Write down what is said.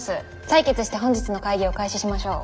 採決して本日の会議を開始しましょう。